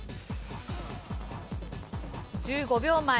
１５秒前。